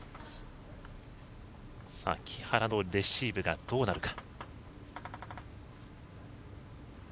木原のレシーブがどうなるか。